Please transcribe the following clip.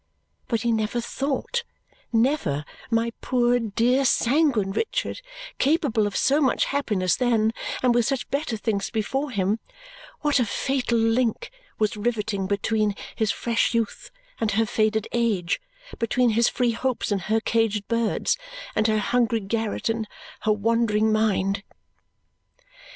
But he never thought never, my poor, dear, sanguine Richard, capable of so much happiness then, and with such better things before him what a fatal link was riveting between his fresh youth and her faded age, between his free hopes and her caged birds, and her hungry garret, and her wandering mind.